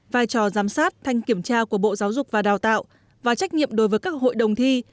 vai trò giám sát thanh kiểm tra của bộ giáo dục và đào tạo và trách nhiệm đối với các hội đồng thi